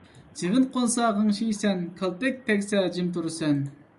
چىۋىن قونسا غىڭشىيسەن، كالتەك تەگسە جىم تۇرىسەن